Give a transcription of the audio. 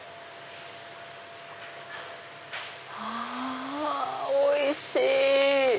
あおいしい！